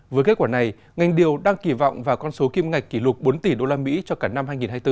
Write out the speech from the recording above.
với kết quả này ngành điều đang kỳ vọng vào con số kim ngạch kỷ lục bốn tỷ usd cho cả năm hai nghìn hai mươi bốn